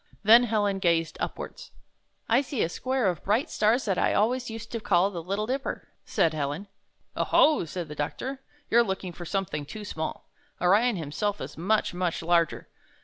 Then Helen gazed upwards. 'T see a square of bright stars that I always used to call the Little Dipper," said Helen. "0 ho!" said the doctor, ''you're looking for something too small. Orion himself is much, much larger.